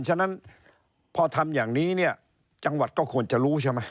ฉะนั้นพอทำอย่างนี้เนี่ยจังหวัดก็ควรจะรู้ใช่ไหม